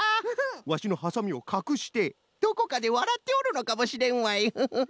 ワシのはさみをかくしてどこかでわらっておるのかもしれんわいフフフ。